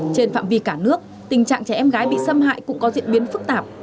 trên phạm vi cả nước tình trạng trẻ em gái bị xâm hại cũng có diễn biến phức tạp